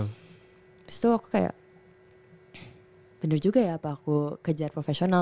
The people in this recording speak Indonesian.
habis itu aku kayak bener juga ya apa aku kejar profesional